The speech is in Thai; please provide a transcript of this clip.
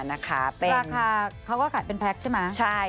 ราคาเขาก็ขายเป็นแพ็คใช่ไหม